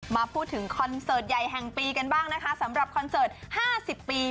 มาพูดถึงคอนเสิร์ตใหญ่แห่งปีกันบ้างนะคะสำหรับคอนเสิร์ต๕๐ปี